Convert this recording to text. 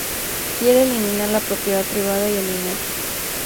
Quiere eliminar la propiedad privada y el dinero.